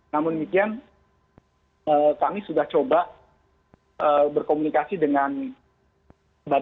namun demikian kami sudah coba berkomunikasi dengan badan pengelolaan